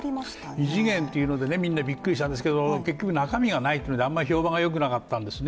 異次元というのでみんなびっくりしたんですけど結局中身がないというのであまり評判がよくなかったんですね。